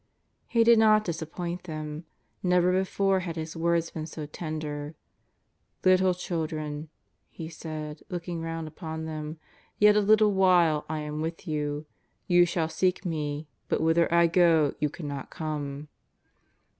He did not disappoint them. !N'ever before had His words been so tender :" Little children," He said, looking round upon them, " yet a little while I am with you. You shall seek Me, but whither I go you cannot come."